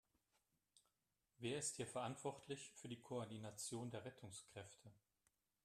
Wer ist hier verantwortlich für die Koordination der Rettungskräfte?